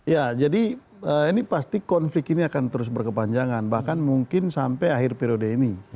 ya jadi ini pasti konflik ini akan terus berkepanjangan bahkan mungkin sampai akhir periode ini